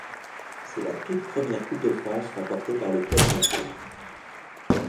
C'est la toute première Coupe de France remportée par le club nantais.